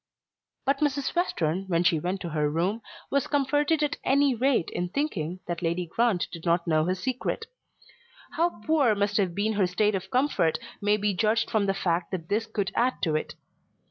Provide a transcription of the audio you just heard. But Mrs. Western when she went to her room was comforted at any rate in thinking that Lady Grant did not know her secret. How poor must have been her state of comfort may be judged from the fact that this could add to it.